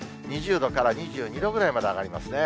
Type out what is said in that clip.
２０度から２２度ぐらいまで上がりますね。